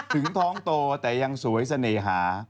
ถึงท้องโตแต่ยังสวยเสน่หา